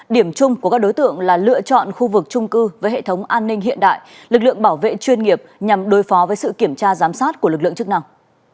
điểm chung của các đối tượng là lựa chọn khu vực trung cư với hệ thống an ninh hiện đại lực lượng bảo vệ chuyên nghiệp nhằm đối phó với sự kiểm tra giám sát của lực lượng chức năng